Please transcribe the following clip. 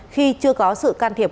khi chưa có sự can thiệp